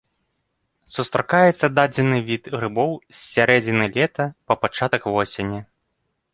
Сустракаецца дадзены від грыбоў з сярэдзіны лета па пачатак восені.